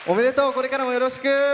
これからもよろしく！